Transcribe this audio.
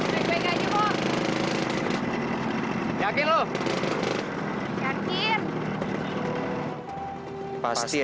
kau susah sengaja juja sajian